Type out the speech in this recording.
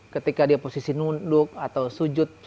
ketika dia posisi nunduk atau sujud